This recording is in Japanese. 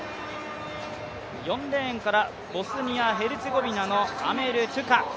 ４レーンからボスニア・ヘルツェゴビナのアメル・トゥカ。